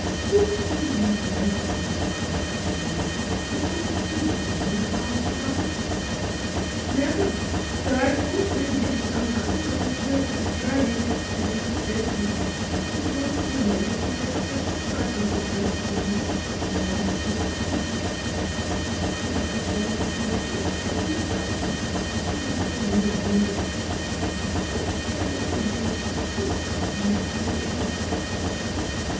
"Did she never open her heart to you, and talk freely of her past life ?"" Never ; though I've brought her in here some times when I've heard her dragging upstairs, dead beat, and once in a way she'd accept a trifle of dress from me — a bonnet or such like. She could do up a bonnet that I should have thrown on the dust heap, and look the lady in it. She had such clever fingers, and such natty ways."